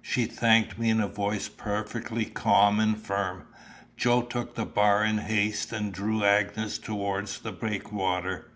She thanked me in a voice perfectly calm and firm. Joe took the bar in haste, and drew Agnes towards the breakwater.